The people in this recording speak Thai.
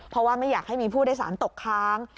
เพราะว่าไม่อยากให้มีผู้โดยสารตกค้าง